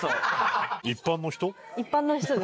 一般の人？